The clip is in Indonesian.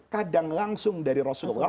kadang langsung dari rasulullah